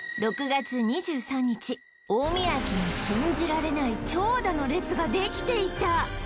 大宮駅に信じられない長蛇の列ができていた！